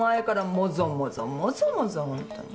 もぞもぞもぞもぞホントに。